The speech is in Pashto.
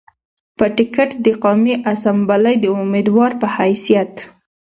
پۀ ټکټ د قامي اسمبلۍ د اميدوار پۀ حېثيت